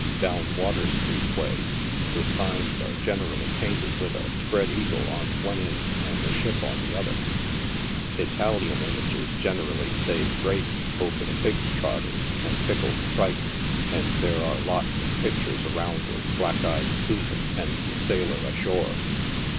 Down Water street way, th& signs are generally painted with a spread eagle on one end and a ship on the other. Italian images generally say grace over the pig's trotters and pickled tripe, and there are lots of pictures around of Black eyed Susan and the Sailor Ashore.